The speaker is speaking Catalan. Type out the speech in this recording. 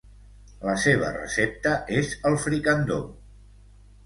La seva recepta és el fricandó.